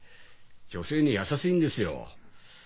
女性に優しいんですよ。